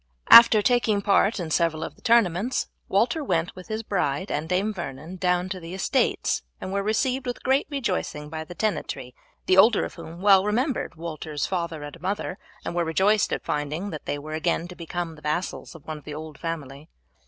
After taking part in several of the tournaments, Walter went with his bride and Dame Vernon down to their estates, and were received with great rejoicing by the tenantry, the older of whom well remembered Walter's father and mother, and were rejoiced at finding that they were again to become the vassals of one of the old family.